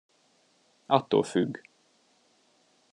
Attól függ.